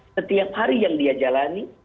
setiap hari yang dia jalani